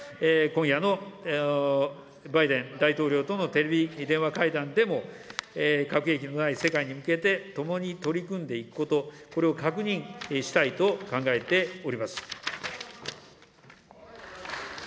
今夜のバイデン大統領とのテレビ電話会談でも、核兵器のない世界に向けて共に取り組んでいくこと、これを確認したいと考えております。